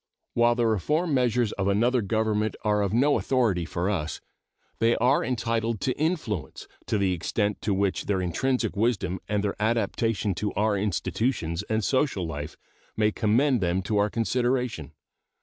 While the reform measures of another government are of no authority for us, they are entitled to influence to the extent to which their intrinsic wisdom and their adaptation to our institutions and social life may commend them to our consideration.